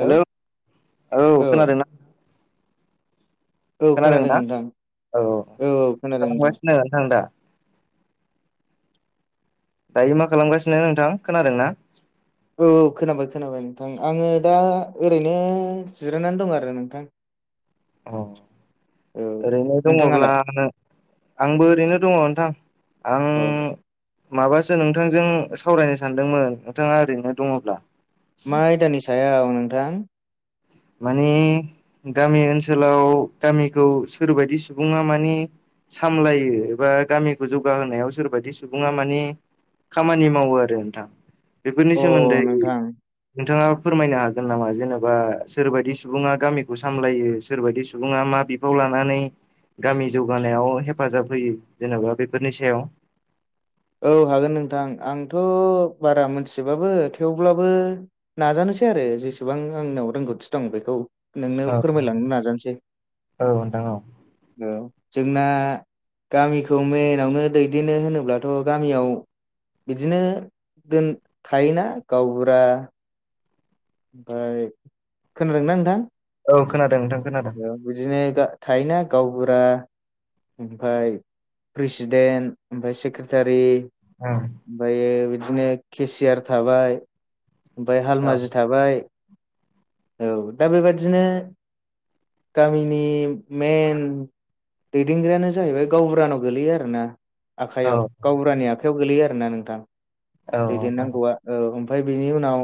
Hello औ खोनादों ना? औ खोनादों ना नोंथां औ औ खोनादों नोंथां खालामगासिनो नोंथां दा दायो मा खालामगासिनो नोंथां खोनादों ना? औ औ खोनाबाय खोनाबाय नोंथां आङो दा ओरैनो जिरायनानै दं आरो नोंथां। अ औ ओरैनो दङब्ला नोंथाङालाय आंबो ओरैनो दङ नोंथां आं औ माबासो नोंथांजों सावरायनो सानदोंमोन नोंथाङा ओरैनो दङब्ला मा आयदानि सायाव नोंथां? माने गामि ओनसोलाव गामिखौ सोरबायदि सुबुङा माने सामलायो एबा गामिखौ जौगाहोनायाव सोरबायदि सुबुङा माने खामानि मावो आरो नोंथां। बेफोरनि अ सोमोन्दै नोंथां नोंथाङा फोरमायनो हागोन नामा जेनेबा सोरबायदि सुबुङा गामिखौ सामलायो सोरबायदि सुबुङा मा बिफाव लानानै गामि जौगानायाव हेफाजाब होयो जेनेबा बेफोरनि सायाव औ हागोन नोंथां आंथ बारा मोनथिबाबो थेवब्लाबो नाजानोसै आरो जेसेबां आंनाव रोंगौथि दं बेखौ। नोंनो औ फोरमायलांनो नाजानोसै। औ नोंथां औ औ जोंना गामिखौ मेनावनो दैदेनो होनोब्ला थ गामियाव बिदिनो दोन थायोना गावबुरा ओमफाय खोनादोंना नोंथां? औ खोनादों नोंथां खोनादों। बिदिनो गा थायोना गावबुरा ओमफाय प्रेसिडेन्ट ओमफ्राय सेक्रेटारि ओम ओमफायो बिदिनो केसियार थाबाय ओमफाय औ हालमाजि थाबाय औ दा बेबादिनो गामिनि मेन दैदेनग्रायानो जाहैबाय गावबुरानाव गोलैयो आरो ना औ आखाइयाव गावबुरानि आखायाव गोलैयो आरो ना नोंथां औ दैदेन नोंथां उम नांगौआ औ ओमफाय बेनि उनाव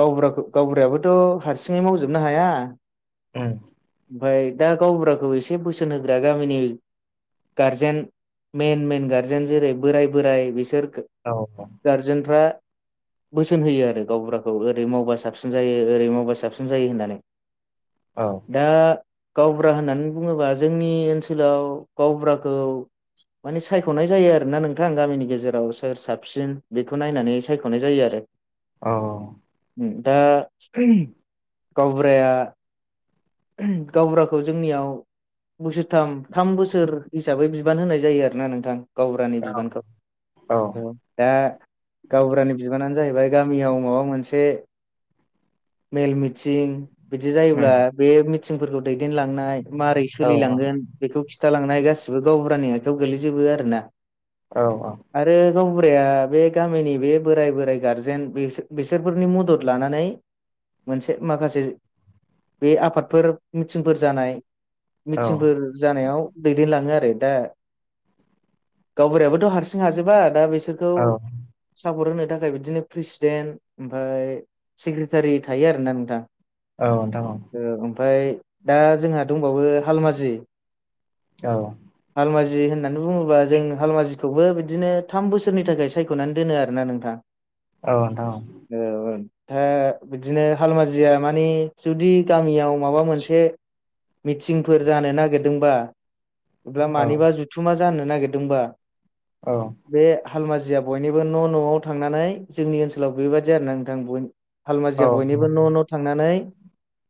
गावबुराखौ गावबुरायाबोथ हारसिङै मावजोबनो हाया अह ओमफाय दा गावबुराखौ एसे बोसोन होग्रा गामिनि गार्जेन मेन मेन गारजेन जेरै बोराय बोराय बिसोर औ अ गारजेनफ्रा बोसोन होयो आरो गावबुराखौ ओरै मावबा साबसिन जायो ओरै मावबा साबसिन जायो होननानै औ। ओ गावबुरा होननानै बुंङोबा जोंनि ओनसोलाव गावबुराखौ माने सायखनाय जायो आरो ना नोंथां गामिनि गेजेराव सोर साबसिन बेखौ नायनानै सायख'नाय जायो आरो औ ओ दा गावबुराया गावबुराखौ जोंनियाव बोसोर थाम बोसोर हिसाबै बिबान होनाय जायो आरोना नोंथां गावब्रानि बिबानखौ औ दा गावबुरानि बिबानानो जाहैबाय गामियाव माबा मोनसे मेल मिथिं बिदि जायोब्ला उम बे मिथिंफोरखौ दैदेनलांनाय माबारै औ सोलिलांगोन बेखौ खिथालांनाय गासिबो गावबुरानि आखाइायाव गोगलैजोबो आरो ना औ औ आरो गावबुराया बे गामिनि बे बोराय बोराइ गारजेन बिसोरफोरनि मदद लानानै मोनसे माखासे बे आफादफोर मिथिंफोर जानाय औ मिथिंफोर जानायाव दैदेनलाङो आरो दा गावबुरायाबोथ' हारसिं हाजोबा दा बिसोरखौ सापर्ट होनो थाखाय बिदिनो प्रेसिडेन्ट ओमफफ्राय सिग्रेटारि थायो आरो ना नोंथां औ नोंथां ओमफ्राय दा जोंहा दंबावो हालमाजि औ हालमाजि होननानै बुङोब्ला जों हालमाजिखौबो बिदिनो थाम बोसोरनि थाखाय सायख'नानै दोनो आरोोना नोंथां औ औथा बिदिनो हालमाजिया मानि जुदि गामियाव माबा मोनसे मिटिंफोर जानो नागिरदों बा अब्ला मानिबा जुथुमा जानो नागिरदोंबा औ बे हालमाजिया बयनिबो न' न'आव थांनानै जोंनि ओनसोलाव बेबायाददि आरो ना नोंथां ब हलमाजिया बयनिबो न' न' थांनानै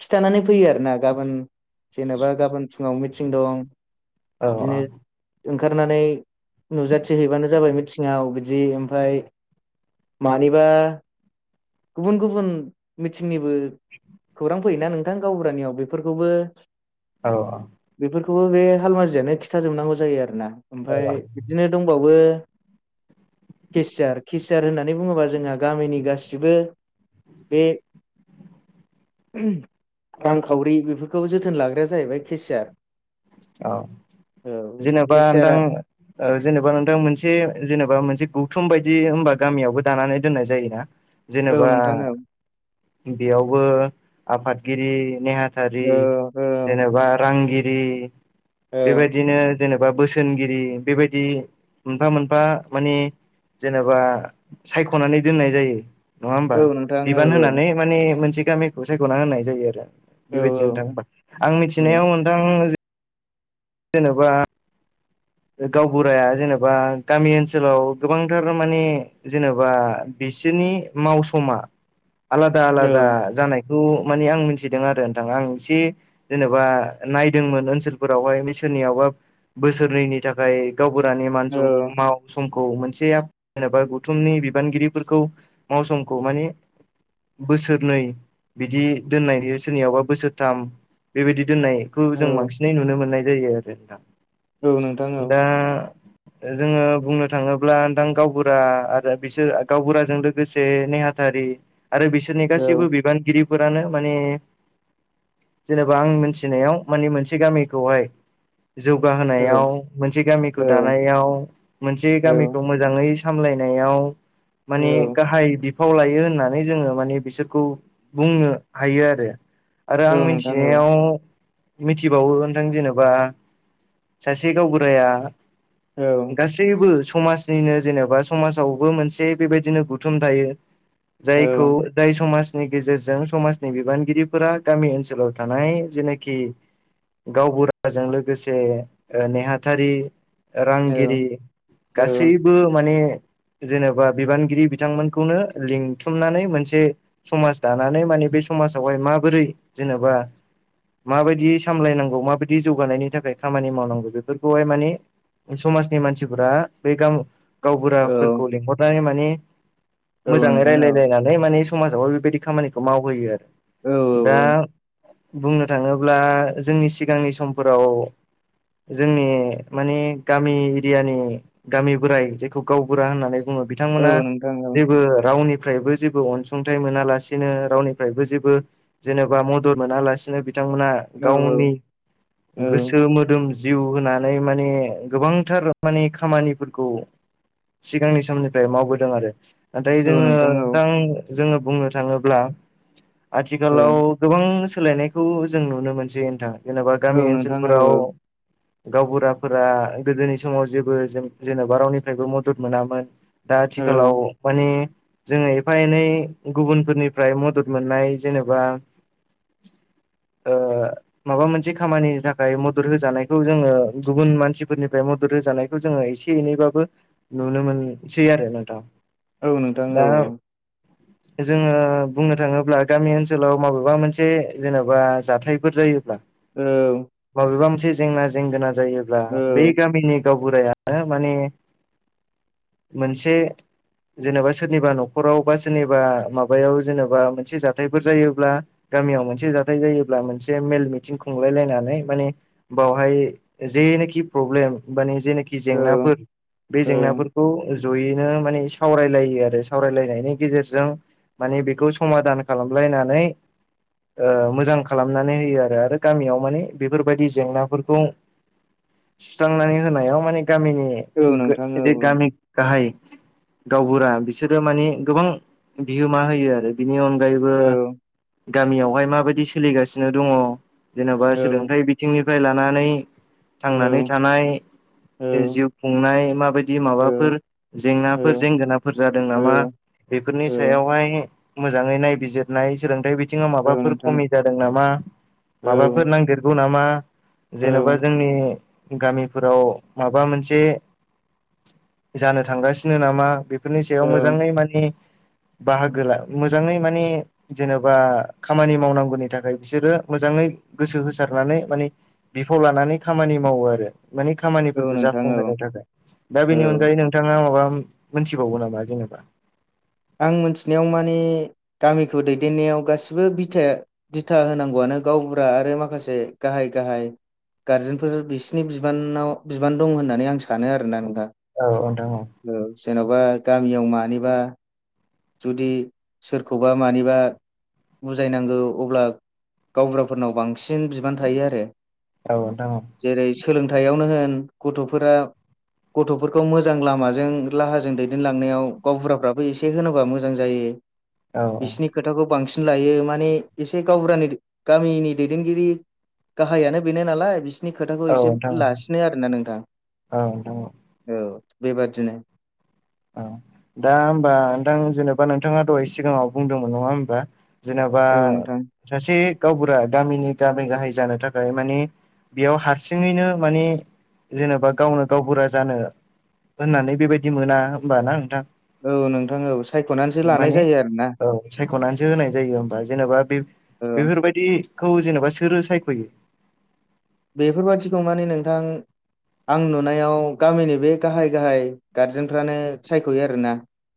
खिथानानै फैयो आरो ना गाबोन जेनेबा गाबोन फुङाव मिटिं दं बिदिनो ओंखारनानै नुजाथि हैैबानो जाबाय मिथिङाव बिदि ओमफफ्राय मानिबा गुबुन गुबुन मिथिंनिबो खौरां फैयोना नोंथां गावबुरानियाव बेफोरखौबो औ बेफोरखौबो बे हालमाजियानो खिथााजोबनांगौ जायो आरो ना औ ओमफफ्राय बिदिनो दंबावो केसियार केसियार होननानै बुङोबा जोंहा गामिनि गासिबो बे रांखावरि बे खौ जोथोन लाग्राया जाहैबाय केसिआार औ जेनेबा केसियारा नथां जेनेबा नोंथां मोनसे जेनेबा मोनसे गौथुम बायदि हबा गामियावबो दानानै दोननाय जायोना औ जेनेबा नोंथां औ बेयावबो आफादगिरि ने आरा औ औ जेनेबा रांगिरि औ बेबायदिनो जेनेबा बोसोनगिरि बेबायदि मोनफा मोनफा माने जेनेबा सायख'नानै दोननाय जायो नङा होमबा औ नोंथां औ बिबान होनानै माने मोनसे गामिखौ सायख'ना होननाय जायो आरो औ बेबायदि नोंथां होमबा आं औ मिथिनायाव नोंथां जेनेबा गावबुराया जेनेबा गामि ओनसोलाव गोबांथार मानिे जेनेबा बिसोरनि मावसा आलादा औ आलादा जानाय थ' माने आं मिथिदों आरो नोंथां आं एसे जेनेबा नायदोंमोन ओनसोलफोरावहाय बिसोरनियावबा बोसोरनैनि थाखाय गावबुरानि मान औ सम माव समखौ मोनसे जेनेबा गौथुमनि बिबानगिरिफोरखौ मावसखौ माने बोसोरनै बिदि दोननाय सोरनियावबा बोसोरथाम बेबायदि दोननायखौ जों बांसिनै नुनो मोननाय जायो आरो दा औ नोंथां औ दा जोङो बुंनो थाङोब्ला दां गावबुरा आरो बिसोर गावबुराजों लोगोसे नेहाथारि आरो बिसोरनि औ गासैबो बिबानगिरिफोरानो माने जेनेबा आं मिथिनायाव मानानिे मोनसे गामिखौहाय जौगाहोनायाव मोनसे गामिखौ औ दानाय इयान मोनसे औ गामिखौ मोजाङै सामलायनायाव मानि गाहाय दे फाव लायो होननानै जोङो माने बिसोरखौ बुंनो हायो आरो। आरो औ नोंथां औ आं नोंथां औ मिथिनायाव मिथिबावो नोंथां जेनेबा सासे गाव गाया गास गासैबो समाजनिनो जेनेबा समाजावबो मोनसे बेबायदिनो गुथुम थायो। जायखौ जाय समाजनि गेजेरजों समाजनि बिबानगिरिफोरा गामि ओनसोलाव थानाय जेनाखि गावबुराजों लोगोसे ओ नेहा थारि रांगिरि गासैबो माने जेनेबा बिबानगिरि बिथांमोनखौनो लिंथुमनानै मोनसे समाज दानानै माने बे समाजावहाय माबोरै जेनेबा माबायदि सामलायनांगौ माबायदि जौगानायनि थाखाय खामानि मावनांगौ बेफोर खौहाय मानि समाजनि मानसिफोरा बे गाम औ गावबुराफोरखौ लिंहरनानै माने औ मोजाङै नोंथां रायलाय औ लानानै माने समाजावबो बेबायदि खामानिखौ मावहोयो आरो। औ दा बुंनो थाङोब्ला जोंनि सिगांनि समफोराव जोंनि माने गामि एरियानि गामि बोराइ जेखौ गावबुरा होननानै बुङो। बिथांमोना औ औ नोंथां औ जेबो रावनि निफ्रायबो जेबो अनसुंथाइ मोनालासिनो रावनिफ्रायबो जेबो जेनेबा मदद मोनालासिनो बिथांमोना गावनि औ गोसो मोदोम जिउ होनानै माने गोबांथार माने खामानिफोरखौ सिगांनि समनिफ्राय मावबोदों आरो नाथाय जोङो औ औ नोंथां जोङो बुंनो थाङोब्ला आथिखालाव गोबां सोलायनायखौ जों नुनो मोनसै नोंथां जेनेबा गामि औ ओनसोलफोराव गावबुराफोरा गोदोनि समाव जेबो जेन'बा रावनिफ्रायबो मदद मोनामोन। दा आथिखालाव माने जोङो एफा एनै गुबुनफोरनिफ्राय मदद मोननाय जेनेबा ओ माबा मोनसे खामानिनि थाखाय मदद होजानाय खौ जोङो गुबुन मानसिफोरनिफ्राय मदद होजानायखौ जोङो एसे एनैबाबो नुनो मोनसै आरो नोंथां औ नोंथां दा औ औ। [inaudible] जोङो बुंनो थाङोब्ला गामि ओनसोलाव माबेबा मोनसे जेनेबा जाथायफोर जायोब्ला ओऔ माबेबा मोनसे जेंना जेंगोना जायोब्ला औ बे गामिनि गावबुराय माने मोनसे जेनेबा सोरनिबा न'खराव बा सोरनिबा माबायाव जेनेबा मोनसे जाथायफोर जायोब्ला गामियाव मोनसे जाथाय जायोब्ला मोनसे मेल मिथिं खुंलाय लायनानै माने बावहाय जेनोखि प्रब्लेम माने जेनोखि औ जेंनाफोर बे औ जेंनाफोरखौ जयैनो माने सावरायलायो आरो सावरायलायनायनि गेजेरजों माने बेखौ समादान खालामलायनानै मोजां खालामनानै होयो आरो आरो गामियाव माने बेफोरबायदि जेंनाफोरखौ सुस्रांनानै होनायाव माने गामिनि औ नोंथां औ जे गामि गाहाय गावबुरा बिसोरो मानि गोबां बिहोमा होयो आरो। बिनि अनगायैबो औ गामियावहाय माबायदि सोलिगासिनो दङ। जेन'बा औ सोलोंथाइ बिथिंनिफ्राय लानानै औ थांनानै थानाय। जिउ खुंनाय माबायदि औ माबाफोर औ जेंनाफोर जेंगोनाफोर जादों नामा? बेफोरनि सायावहाय मोजाङै नायबिजिरनाय सोलोंथाइ बि बिथिङाव औ माबाफोर नोंथां खमि जादों नामा औ माबाफोर नांदेरगौ नामा? औ जेन'बा जोंनि गामिफोराव माबा मोनसे जानो थांगासिनो नामा बे बे फोरनि सायाव मोजाङै माने बाहागो ला मोजाङै माने जेन'बा खामानि मावनांगौनि थाखाय बिसोरो मोजाङै गोसो होसारनानै माने बिफाव लानानै खामानि मावो आरो मानि औ खामानिफोरखौ नोंथां औ जाफुंहोनो थाखाय दा बेनि औ अनगायै नों नोंथाङा माबा मोनथिबावगो नामा जेनेबा? आं मिथिनायाव मानि गामिखौ दैदेननायाव गासिबो बिथाया दिथा होनांगौआनो गावबुरा आरो माखासे गाहाय गाहाय गारजेनफोर बिसिनि बिबानाव बिबान दं होननानै आं सानो आरोना नोंथां। औ नोंथां औ। औ जेन'बा गामियाव मानिबा जुदि सोरखौबा मानिबा बुजायनांगौ अब्ला गावबुराफोरनाव बांसिन बांसिन बिबान थायो आरो औ नोंथां औ जेरै सोलोंथायाइयावनो होन गथ'फोरा गथ'फोरखौ मोजां लामाजों राहाजों दैदेनलांनायाव गावबुराफ्राबो एसे होनोबा मोजां जायो औ बिसिनि खोथाखौ बांसिन लायो माने एसे गावबुरानि गामिनि दैदेनगिरि गाहायानो बेनो नालाय बिसिनि खोथाखौ औ एसे नोंथां औ लासिनो आरोोना नोंथां। औ नोंथां औ औ बेबादिनो। औ दा होमबा नोंथां जेनेबा नोंथाङा दहाय सिगाङाव बुंदोंमोन नङा होमबा? जेने'बा औ नोंथां सासे गावबुरा गामिनि गामि गाहाय जानो थाखाय माने बेयाव हारसिङैनो मानि जेनेबा गावनो गावबुरा जानो होननानै बेबायदि मोना होनोमबाना नोंथां। औ नोंथां औ सायख'नानैसो लानाय माने जायो आरो ना। औ सायख'नानैसो होनाय जायो हबा जेनेबा बे औ बेफोरबायाददिखौ जेनेबा सोरो सायख'यो। बेफोरबादिखौ माने नोंथां आं नुनायाव गामिनि बे गाहाय गाहाय गारजेनफ्रानो सायख'यो आरोना।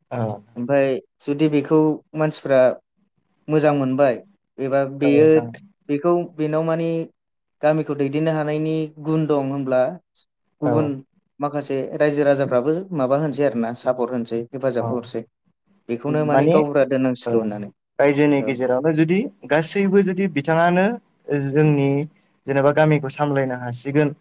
अ ओमफ्राय जुदि बेखौ मानसिफ्रा मोजां मोनबाय एबा बेयो औ बेखौ बेनाव मानि गामिखौ दैदेननो हानायनि गुन दं होनब्ला औ गुबुन माखासे रायजो राजाफ्राबो माबा होनोसै आरो ना सापर्ट होसै। हेफाजाब औ हरसै बेखौनो माने गावबुरा औ दोननांसिगौ होननानै रायजोनि औ। गेजेरावनो जुदि गासैबो जुदि बिथाङानो जोंनि जेनेबा गामिखौ सामलायनो हासिगोन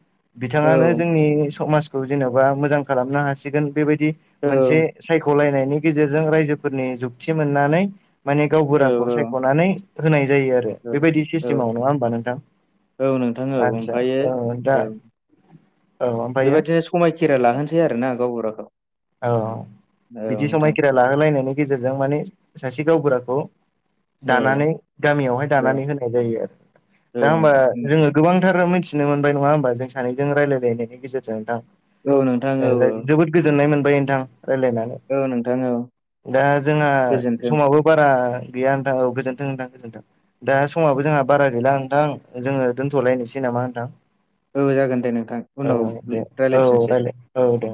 औ बिथाङानो जोंनि समाजखौ जेन'बा मोजां खालामनो हासिगोन बेबायदि औ मोनसे सायख'लायनायनि गेजेरजों रायजोफोरनि जुगथि मोननानै माने गावबुराखौ सायख'नानै होनाय जायो आरो औ बेबायदि सिस्टेमाव नङा होमबा नोंथां। औ औ नोंथां औ आदसा ओमफ्रायो औ दा औ औ ओमफ्रायो खायखेरा लाहोसै आरो ना गावबुराखौ औ औ बिदि नोंथां समायखेरा लाहोलायनायनि गेजेरजों माने सासे गावबुराखौ औ दानानै गामियावहाय औ दानानै होनाय जायो आरो औ दा होमबा नोंथां जोङो गोबांथार मिथिनो मोनबाय नङा होमबा जों सानैजों रायजलायलायनायनि गेजेरजों नोंथां। औ नोंथां औ औ जोबोद गोजोननाय मोनबाय नोंथां रायज्लायनानै। औ नोंथां औ दा जोंहा गोजोन्थों समावबो बारा गैया नोंथां औ गोजोन्थों नोंथां गोजोन्थों दा समाबो जोंहा बारा गैला नोंथां जोङो दोन्थ'लायनोसै नामा नोंथां औ जागोन दे नोंथां औ उनाव दे रायलायफिनसै औाले औ दे